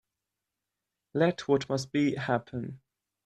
Let what must be, happen.